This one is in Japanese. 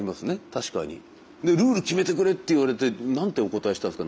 確かに。でルール決めてくれって言われて何てお答えしたんですか？